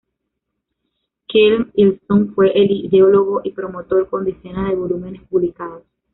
Kim Il-sung fue el ideólogo y promotor, con decenas de volúmenes publicados.